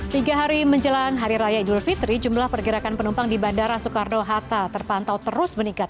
tiga hari menjelang hari raya idul fitri jumlah pergerakan penumpang di bandara soekarno hatta terpantau terus meningkat